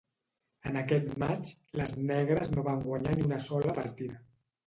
En aquest matx, les negres no van guanyar ni una sola partida.